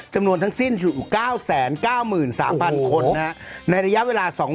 จำนวนทั้งสิ้นอยู่เก้าแสนเก้ามื่นสามพันคนโอ้โหนะในระยะเวลาสอง